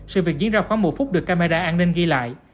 sự việc diễn ra khoảng một phút được camera an ninh ghi lại